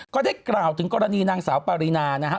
ก็ได้กล่าวถึงกรณีนางสาวปารีนานะฮะ